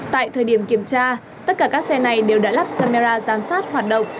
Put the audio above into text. tại thời điểm kiểm tra tất cả các xe này đều đã lắp camera giám sát hoạt động